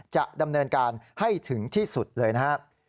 จะดำเนินการให้ถึงที่สุดเลยนะครับ